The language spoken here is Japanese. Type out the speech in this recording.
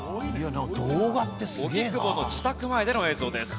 荻窪の自宅前での映像です。